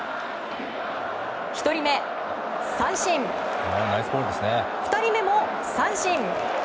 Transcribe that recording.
１人目、三振２人目も三振。